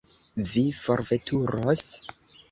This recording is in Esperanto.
Vi forveturos?